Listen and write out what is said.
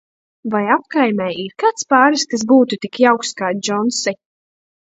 Vai apkaimē ir kāds pāris, kas būtu tik jauks kā Džonsi?